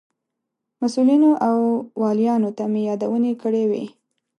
مسئولینو او والیانو ته مې یادونې کړې وې.